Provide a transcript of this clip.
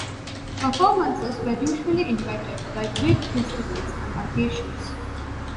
Performances were usually invited by big festivals and occasions.